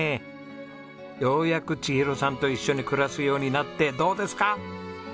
ようやく千尋さんと一緒に暮らすようになってどうですか？